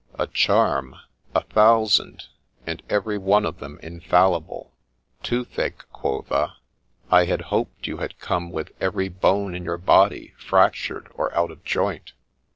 'A charm! — a thousand, and every one of them infallible. Toothache, quotha ! I had hoped you had come with every bone in your body fractured or out of joint.